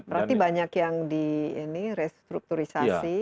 berarti banyak yang di restrukturisasi